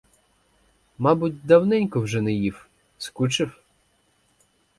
Мабуть, давненько вже не їв, скучив?